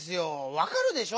わかるでしょ？